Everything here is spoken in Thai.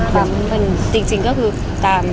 ภาษาสนิทยาลัยสุดท้าย